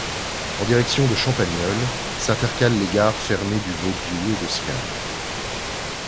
En direction de Champagnole, s'intercale les gares fermées du Vaudioux et de Siam.